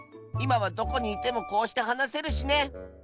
いまはどこにいてもこうしてはなせるしね！